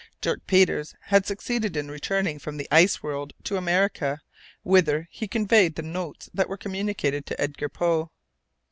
Dirk Peters had succeeded in returning from the ice world to America, whither he had conveyed the notes that were communicated to Edgar Poe.